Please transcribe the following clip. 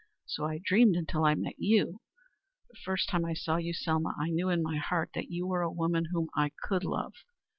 So I dreamed until I met you. The first time I saw you, Selma, I knew in my heart that you were a woman whom I could love.